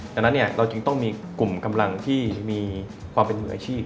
ดังนั้นเราจึงต้องมีกลุ่มกำลังที่มีความเป็นมืออาชีพ